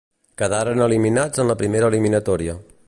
Quedaren eliminats en la primera eliminatòria.